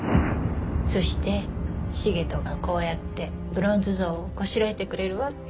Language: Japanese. そして茂斗がこうやってブロンズ像をこしらえてくれるわって。